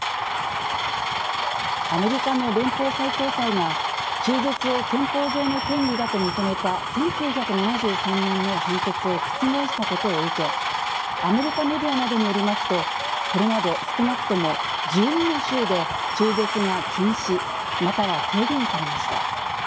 アメリカの連邦最高裁が中絶を憲法上の権利だと認めた１９７３年の判決を覆したことを受け、アメリカメディアなどによりますと、これまで少なくとも１２の州で中絶が禁止または制限されました。